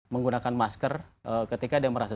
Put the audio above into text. menggunakan masker ketika dia merasa